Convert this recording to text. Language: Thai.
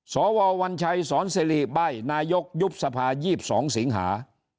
สววัญชัยสอนสิริใบ้นายกยุบสภา๒๒สิงหา